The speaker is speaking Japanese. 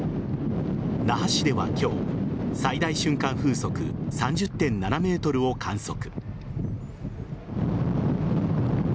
那覇市では今日、最大瞬間風速３０．７メートルを観測。